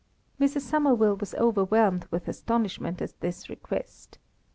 Mrs. Somerville was overwhelmed with astonishment at this request.